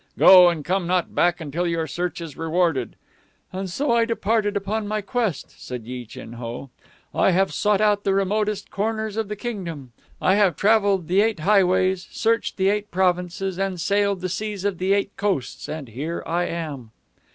Go, and come not back until your search is rewarded.' "And so I departed upon my quest," said Yi Chin Ho. "I have sought out the remotest corners of the kingdom; I have traveled the Eight Highways, searched the Eight Provinces, and sailed the seas of the Eight Coasts. And here I am."